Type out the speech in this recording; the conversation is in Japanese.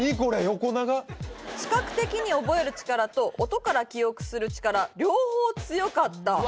横長視覚的に覚える力と音で記憶する力両方強かった